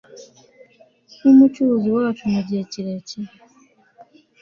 wUmucunguzi wacu mu gihe kirekire